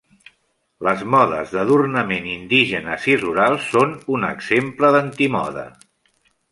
Les modes d'adornament indígenes i rurals són un exemple d'antimoda.